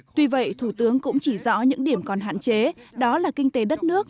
tuy vậy thủ tướng cũng chỉ rõ những điểm còn hạn chế đó là kinh tế đất nước